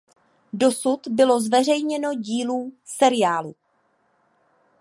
Dosud bylo zveřejněno dílů seriálu.